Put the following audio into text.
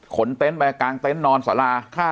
เต็นต์ไปกางเต็นต์นอนสารา